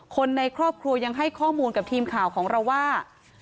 คนในครอบครัวยังให้ข้อมูลกับทีมข่าวของเราว่า